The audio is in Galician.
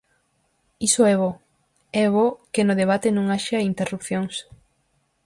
Iso é bo; é bo que no debate non haxa interrupcións.